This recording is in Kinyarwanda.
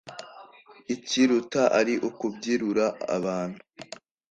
ikiruta ari ukubyirura abantu